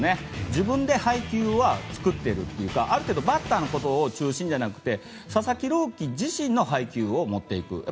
自分で配球を作っているというかある程度バッターのこと中心じゃなくて佐々木朗希自身の配球を持っていく。